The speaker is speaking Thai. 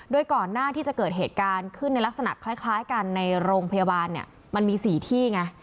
โดยก่อนหน้าที่จะเกิดเหตุการณ์ขึ้นในลักษณะคล้ายกันในโรงพยาบาลเนี่ยมันมี๔ที่ไง